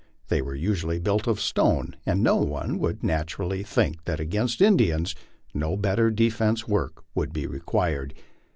They were usually built of stone, and one would naturally think that against Indians no better defensive work would be required.